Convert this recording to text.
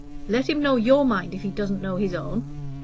Let him know your mind if he doesn't know his own.